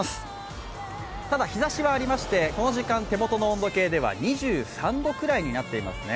ただ、日ざしはありましてこの時間、手元の温度計では２３度くらいになっていますね。